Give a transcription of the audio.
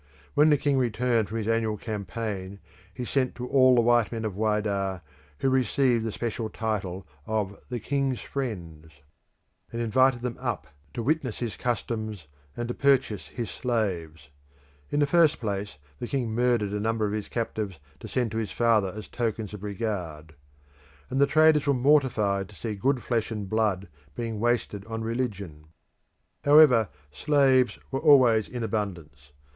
When the king returned from his annual campaign, he sent to all the white men at Whydah, who received the special title of the "king's friends," and invited them up to witness his "customs" and to purchase his slaves, In the first place, the king murdered a number of his captives to send to his father as tokens of regard; and the traders were mortified to see good flesh and blood being wasted on religion. However, slaves were always in abundance.